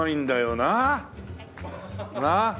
なあ。